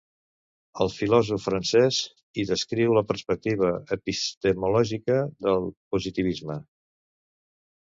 El filòsof francès hi descriu la perspectiva epistemològica del positivisme.